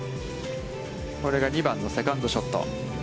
これが２番のセカンドショット。